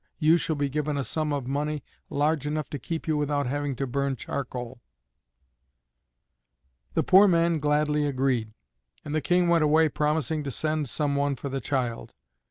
You shall be given a sum of money large enough to keep you without having to burn charcoal." The poor man gladly agreed, and the King went away promising to send some one for the child.